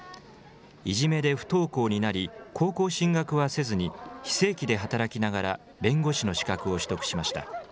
いじめで不登校になり高校進学はせずに、非正規で働きながら弁護士の資格を取得しました。